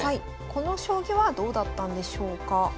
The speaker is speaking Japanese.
この将棋はどうだったんでしょうか？